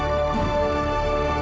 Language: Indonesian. aku harus ke belakang